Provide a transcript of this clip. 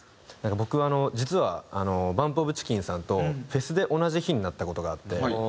僕は実はＢＵＭＰＯＦＣＨＩＣＫＥＮさんとフェスで同じ日になった事があって。